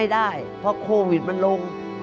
ได้เพราะโควิดมันลง